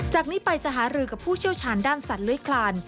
จากนี้ไปจะหารือกับผู้เชี่ยวชาญด้านสัตว์เลื้อยคลาน